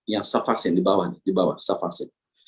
yang stok vaksin di bawah